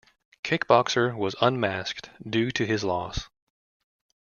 Kick Boxer was unmasked due to his loss.